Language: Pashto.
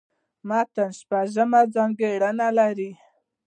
متن شپږ ځانګړني لري.